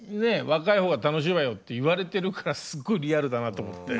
「若い方が楽しいわよ」って言われてるからすごいリアルだなと思って。